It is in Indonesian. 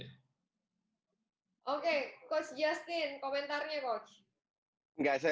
oke coach justin komentarnya coach